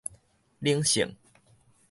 冷性